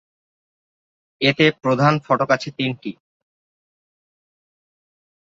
এতে প্রধান ফটক আছে তিনটি।